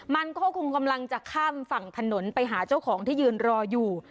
มันก็คงกำลังจะข้ามฝั่งถนนไปหาเจ้าของที่ยืนรออยู่